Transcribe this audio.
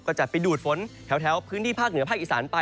จะไปดูดฝนแถวพื้นที่ภาคเหนือภาคอีสานไป